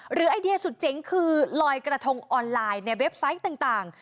ไอเดียสุดเจ๋งคือลอยกระทงออนไลน์ในเว็บไซต์ต่าง